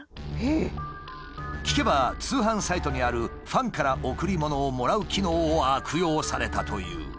聞けば通販サイトにあるファンから贈り物をもらう機能を悪用されたという。